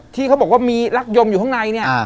ที่เขาบอกว่ามีรักยมอยู่ข้างในเนี่ย